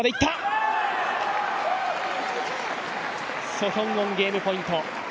ソ・ヒョウォン、ゲームポイント。